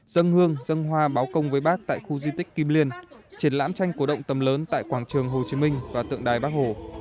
dân hương dân hoa báo công với bác tại khu di tích kim liên triển lãm tranh cổ động tầm lớn tại quảng trường hồ chí minh và tượng đài bắc hồ